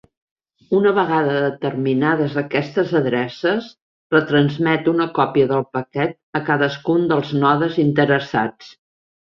Una vegada determinades aquestes adreces, retransmet una còpia del paquet a cadascun dels nodes interessats.